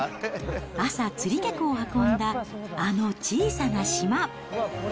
朝、釣り客を運んだ、あの小さな島。